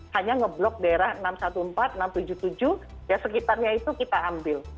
hanya ngeblok daerah enam ratus empat belas enam ratus tujuh puluh tujuh ya sekitarnya itu kita ambil